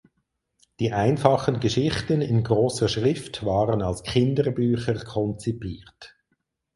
Die einfachen Geschichten in großer Schrift waren als Kinderbücher konzipiert.